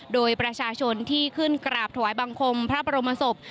โดยประชาชนที่ขึ้นกราบถวายบังคมพระบรมศพ